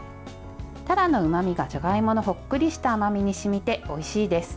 たらのうまみが、じゃがいものほっくりした甘みに染みておいしいです。